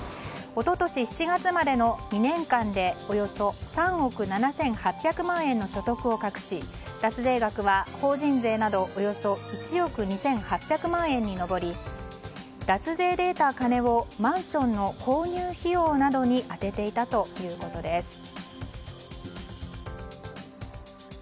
一昨年７月までの２年間でおよそ３億７８００万円の所得を隠し、脱税額は法人税などおよそ１億２８００万円に上り脱税で得た金をマンションの購入費用などに充てていたということです。